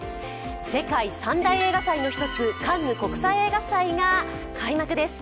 世界三大映画祭の１つ、カンヌ国際映画祭が開幕です。